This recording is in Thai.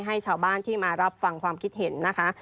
ให้ชาวบ้านที่มารับฟังความคิดเห็นนะคะ